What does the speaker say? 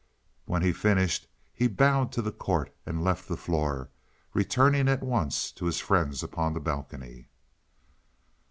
When he finished, he bowed to the court and left the floor, returning at once to his friends upon the balcony.